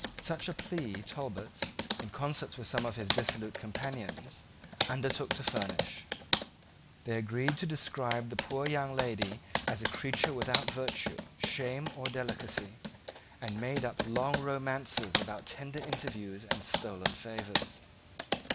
Such a plea Talbot, in concert with some of his dissolute companions, undertook to furnish. They agreed to describe the poor young lady as a creature without virtue, shame, or delicacy, and made up long romances about tender interviews and stolen favours.